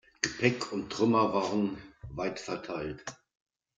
Gepäck und Trümmer waren weit verteilt.